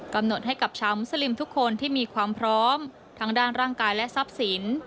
กำหนดให้กับชาวมุสลิมทุกคนที่มีความพร้อมทั้งด้านร่างกายและทรัพย์สิน